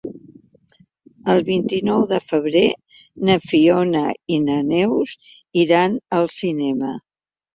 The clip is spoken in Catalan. El vint-i-nou de febrer na Fiona i na Neus iran al cinema.